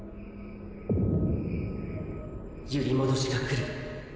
揺り戻しがくる。